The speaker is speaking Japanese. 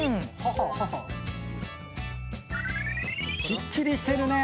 きっちりしてるね！